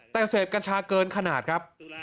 แต่เสพกัญชาเกินขนาดครับ